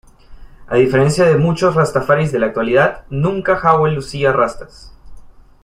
A diferencia de muchos rastafaris de la actualidad, nunca Howell lucía rastas.